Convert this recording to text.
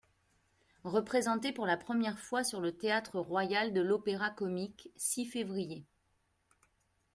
Représenté pour la première fois sur le Théâtre Royal de l'Opéra-Comique (six fév.